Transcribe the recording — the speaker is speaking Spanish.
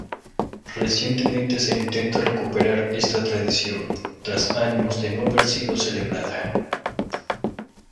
Recientemente se intenta recuperar esta tradición, tras años de no haber sido celebrada.